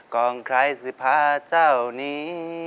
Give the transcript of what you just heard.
กองใครสิพาเจ้านี้